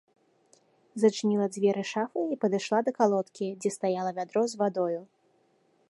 Зачыніла дзверы шафы і падышла да калодкі, дзе стаяла вядро з вадою.